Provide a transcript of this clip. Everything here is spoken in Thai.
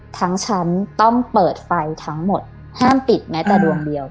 ชั้นต้องเปิดไฟทั้งหมดห้ามปิดแม้แต่ดวงเดียว